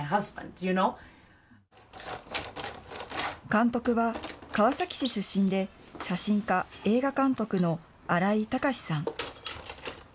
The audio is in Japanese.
監督は、川崎市出身で、写真家、映画監督の新井卓さん。